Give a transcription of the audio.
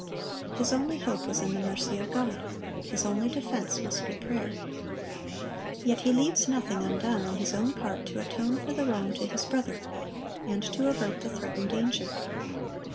His only hope was in the mercy of God; his only defense must be prayer. Yet he leaves nothing undone on his own part to atone for the wrong to his brother, and to avert the threatened danger.